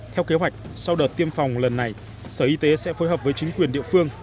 theo kế hoạch sau đợt tiêm phòng lần này sở y tế sẽ phối hợp với chính quyền địa phương